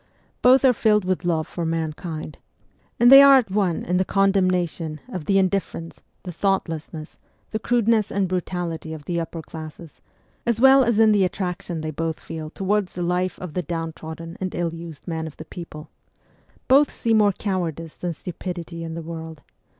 Both are filled with love for mankind ; and they are at one in the severe condemnation of the indif * A4 viii MEMOIRS OF A REVOLUTIONIST ference, the thoughtlessness, the crudeness and brutality of the upper classes, as well as in the attraction they both feel towards the life of the downtrodden and ill used man of the people. Both see more cowardice than stupidity in the world.